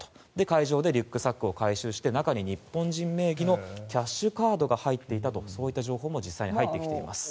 海上でリュックサックを回収して中に日本人名義のキャッシュカードが入っていたとそういった情報も実際に入ってきています。